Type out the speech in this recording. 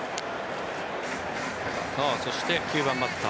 そして９番バッター